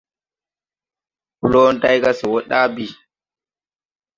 Blo day ga se wo ɗaa bii.